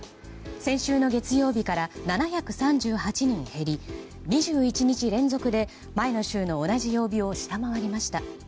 先週の月曜日から７３８人減り２１日連続で前の週の同じ曜日を下回りました。